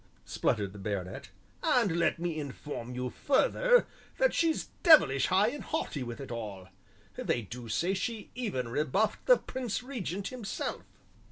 spluttered the baronet. "And let me inform you further that she's devilish high and haughty with it all they do say she even rebuffed the Prince Regent himself."